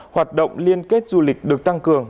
hoạt động liên kết du lịch được tăng cường